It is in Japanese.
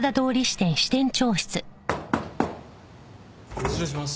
失礼します。